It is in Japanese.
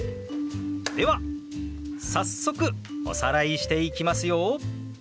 では早速おさらいしていきますよ。